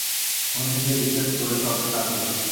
মন থেকে বিশ্বাস করলে তবেই কাজ হবে।